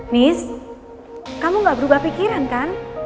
nis kamu gak berubah pikiran kan